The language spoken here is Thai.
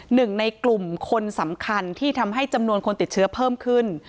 หนึ่งในกลุ่มคนสำคัญที่ทำให้จำนวนคนติดเชื้อเพิ่มขึ้น